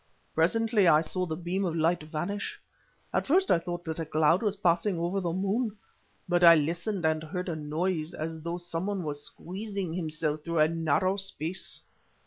Presently I saw the beam of light vanish. At first I thought that a cloud was passing over the moon, but I listened and heard a noise as though some one was squeezing himself through a narrow space.